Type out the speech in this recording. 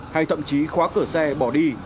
hay thậm chí khóa cửa xe bỏ đi